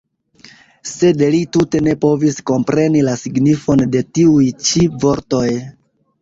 Sed li tute ne povis kompreni la signifon de tiuj-ĉi vortoj.